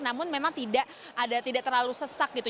namun memang tidak ada tidak terlalu sesak gitu